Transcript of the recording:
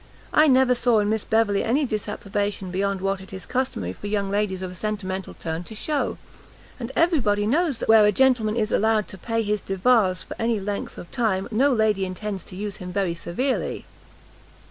I never saw in Miss Beverley any disapprobation beyond what it is customary for young ladies of a sentimental turn to shew; and every body knows that where a gentleman is allowed to pay his devoirs for any length of time, no lady intends to use him very severely."